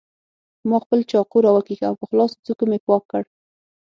ما خپل چاقو راوکېښ او په خلاصو څوکو مې پاک کړ.